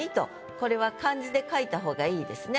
これは漢字で書いた方が良いですね。